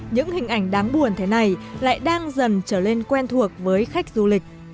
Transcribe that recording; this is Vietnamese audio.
những hình ảnh đáng buồn thế này lại đang dần trở lên quen thuộc với khách du lịch